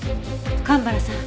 蒲原さん。